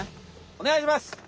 おねがいします。